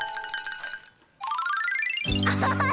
アハハ